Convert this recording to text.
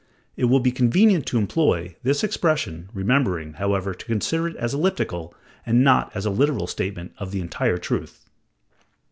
It will be convenient to employ this expression, remembering, however, to consider it as elliptical, and not as a literal statement of the entire truth.